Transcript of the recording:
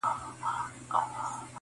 او په ځغاسته سو روان د غار و لورته -